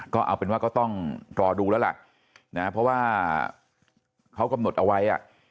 ก็เอาเป็นว่าก็ต้องรอดูแล้วล่ะนะเพราะว่าเขากำหนดเอาไว้